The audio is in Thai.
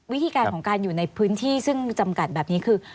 วิธีการของการอยู่ในพื้นที่ซึ่งจำกัดแบบนี้คือ